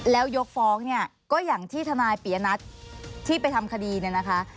แล้วยกฟ้องเนี่ยก็อย่างที่ทนายปียนัทที่ไปทำคดีเนี่ยนะคะ